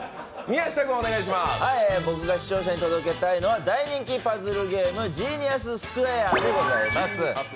僕が視聴者に届けたいのは大人気パズルゲーム「ジーニアススクエア」でございます。